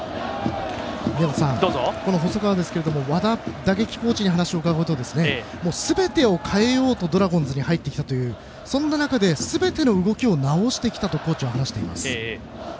細川ですが和田打撃コーチに話を伺うとすべてを変えようとドラゴンズに入ってきたというそんな中ですべての動きを直してきたとコーチは話しています。